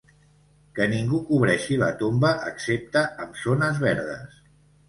Que ningú cobreixi la tomba excepte amb zones verdes.